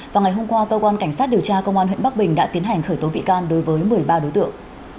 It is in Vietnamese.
và ngày hôm qua cơ quan cảnh sát điều tra công an huyện bắc bình đã tiến hành khởi tố bị can đối với một mươi ba đối tượng